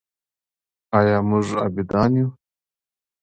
آیا موږ عابدان یو؟